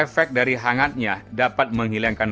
efek dari hangatnya dapat menghilangkan